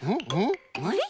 あれ？